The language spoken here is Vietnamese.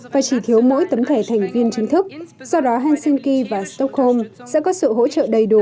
và chỉ thiếu mỗi tấm thẻ thành viên chính thức do đó helsinki và stockholm sẽ có sự hỗ trợ đầy đủ